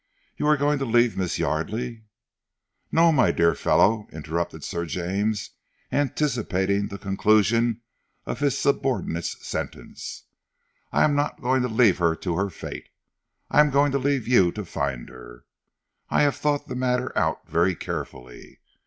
"You are going to leave Miss Yardely " "No, my dear fellow," interrupted Sir James, anticipating the conclusion of his subordinate's sentence. "I am not going to leave her to her fate. I am going to leave you to find her. I have thought the matter out very carefully.